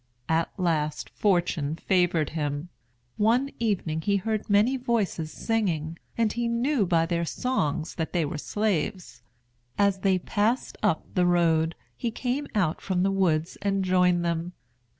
At last fortune favored him. One evening he heard many voices singing, and he knew by their songs that they were slaves. As they passed up the road, he came out from the woods and joined them.